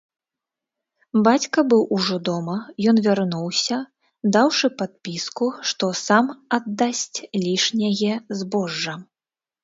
Бацька быў ужо дома, ён вярнуўся, даўшы падпіску, што сам аддасць лішняе збожжа.